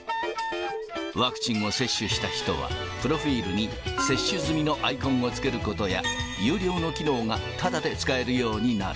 ワクチンを接種した人は、プロフィールに接種済みのアイコンをつけることや、有料の機能がただで使えるようになる。